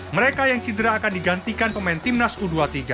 mereka yang cedera akan digantikan pemain timnas u dua puluh tiga